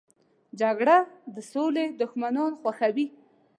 جګړه د سولې دښمنان خوښوي